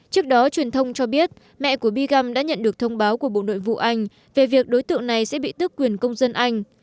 trước đó truyền thông cho biết mẹ của biegum đã nhận được thông báo của bộ nội vụ anh về việc đối tượng này sẽ bị tức quyền công dân anh